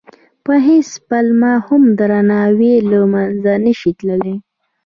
په هېڅ پلمه هم درناوی له منځه نه شي تللی.